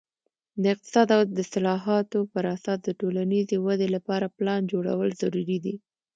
د اقتصاد د اصلاحاتو پر اساس د ټولنیزې ودې لپاره پلان جوړول ضروري دي.